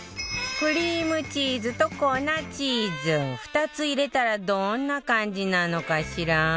クリームチーズと粉チーズ２つ入れたらどんな感じなのかしら？